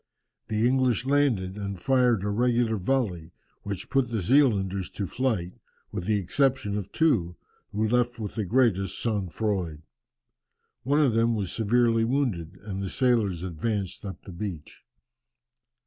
The English landed and fired a regular volley, which put the Zealanders to flight, with the exception of two, who left with the greatest sang froid. One of them was severely wounded, and the sailors advanced up the beach.